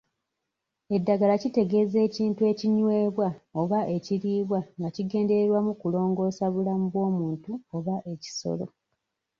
Eddagala kitegeeza ekintu ekinywebwa oba ekiriibwa nga kigendereddwamu kulongoosa bulamu bw'omuntu oba ekisolo.